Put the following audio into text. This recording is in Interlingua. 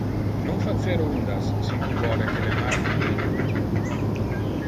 Non facer undas, si tu vole que le mar non te ingluti.